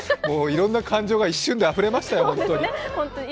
いろんな感情が一瞬であふれましたよ、本当に。